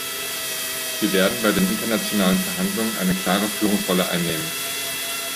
Wir werden bei den internationalen Verhandlungen eine klare Führungsrolle einnehmen.